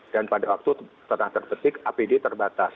dan pada waktu terang terpetik apd terbatas